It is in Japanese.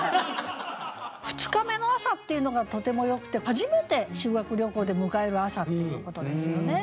「二日目の朝」っていうのがとてもよくて初めて修学旅行で迎える朝っていうことですよね。